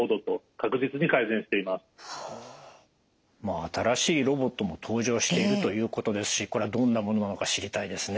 新しいロボットも登場しているということですしこれはどんなものなのか知りたいですね。